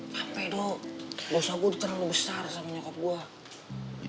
sampai dong dosaku terlalu besar sama nyokap gue